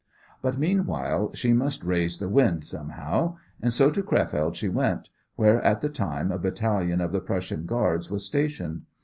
But meanwhile she must "raise the wind" somehow, and so to Crefeld she went, where at the time a battalion of the Prussian Guards was stationed.